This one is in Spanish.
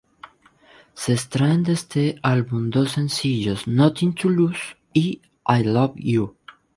Se extraen de este álbum dos sencillos, "Nothing to Lose", y "I Love You".